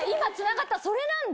それなんだ。